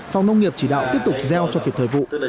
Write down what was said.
phòng nông nghiệp chỉ đạo tiếp tục gieo cho kịp thời vụ